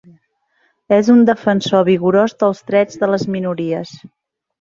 És un defensor vigorós dels drets de les minories.